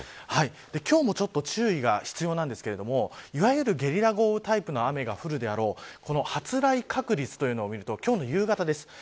今日もちょっと注意が必要なんですがいわゆるゲリラ豪雨タイプの雨が降るであろう発雷確率というのを見ると今日の夕方です。